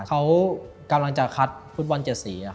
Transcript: เขากำลังจะคัดฟุตบอล๗สี